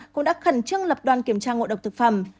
cũng đã khẩn trương lập đoàn kiểm tra ngộ độc thực phẩm